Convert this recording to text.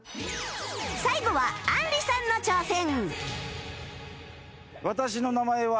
最後はあんりさんの挑戦